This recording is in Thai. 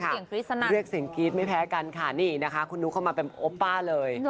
โอ้โหเสียงฟริษณะเรียกเสียงกรีดไม่แพ้กันค่ะนี่นะคะคุณนุภัณฑ์เข้ามาเป็นโอปป้าเลย